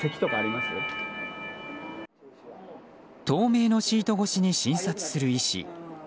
透明のシート越しに診察する医師。